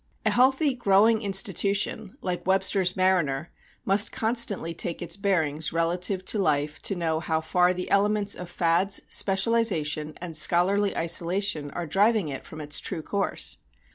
A healthy, growing institution like Webster's mariner must constantly take its bearings relative to life to know how far the elements of fads, specialization, and scholarly isolation are driving it from its true course.